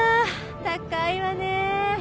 高いわね。